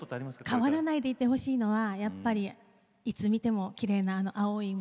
変わらないでいてほしいのはいつ見てもきれいな青い海。